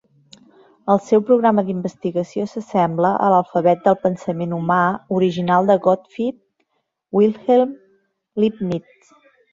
El seu programa d'investigació s'assembla a "l'alfabet del pensament humà" original de Gottfied Wilhelm Leibniz.